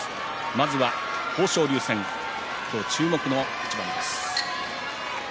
まずは豊昇龍戦注目の一番です。